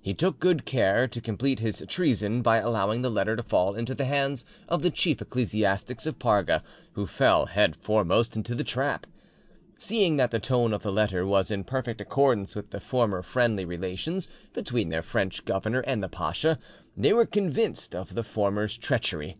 He took good care to complete his treason by allowing the letter to fall into the hands of the chief ecclesiastics of Parga, who fell head foremost into the trap. Seeing that the tone of the letter was in perfect accordance with the former friendly relations between their French governor and the pacha, they were convinced of the former's treachery.